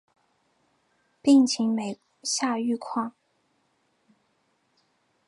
病情每下愈况